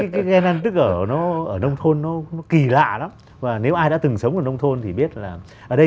cái năng tức ở nó ở nông thôn nó kỳ lạ lắm và nếu ai đã từng sống ở nông thôn thì biết là ở đây